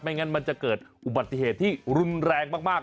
ไม่งั้นมันจะเกิดอุบัติเหตุที่รุนแรงมากเลยนะครับ